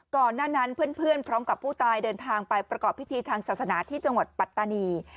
ก่อนหน้านั้นเพื่อนพร้อมกับผู้ตายเดินทางไปประกอบพิธีทางศาสนาที่จังหวัดปัตตานี